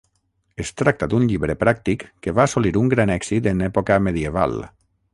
Es tracta d’un llibre pràctic que va assolir un gran èxit en època medieval.